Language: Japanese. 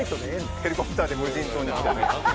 ヘリコプターで無人島に。